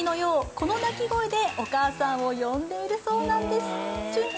この鳴き声でお母さんを呼んでいるそうなんです。